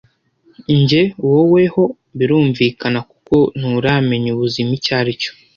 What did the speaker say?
Njye wowe ho birumvikana kuko nturamenya ubuzima icyaricyo